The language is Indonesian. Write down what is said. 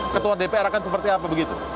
ketua dpr akan seperti apa begitu